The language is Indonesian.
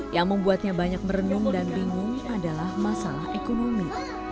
yang membuatnya banyak merenung dan bingung adalah masalah ekonomi